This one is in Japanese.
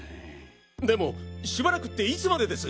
でもしばらくっていつまでです！？